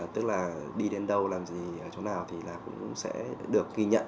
tức là đi đến đâu làm gì ở chỗ nào thì là cũng sẽ được ghi nhận